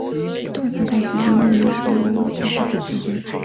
加拿大军队由位于首都渥太华的指挥。